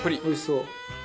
おいしそう。